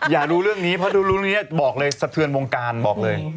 อย่ารู้เรื่องนี้เพราะดูรู้เรื่องนี้บอกเลยสะเทือนวงการบอกเลย